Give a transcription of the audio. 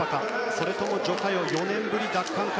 それともジョ・カヨ４年ぶり奪還か。